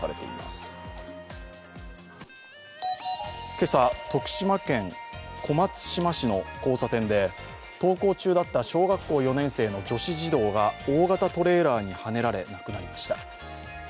今朝、徳島県小松島市の交差点で登校中だった小学校４年生の女子児童が大型トレーラーにはねられ亡くなりました。